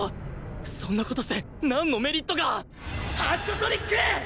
そんな事してなんのメリットがハットトリック！